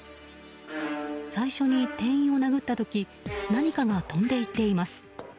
最初に店員を殴った時何かが飛んでいっています。